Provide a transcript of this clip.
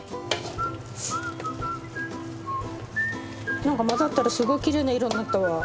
何か混ざったらすごいきれいな色になったわ。